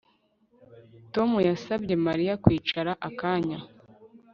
Tom yasabye Mariya kwicara akanya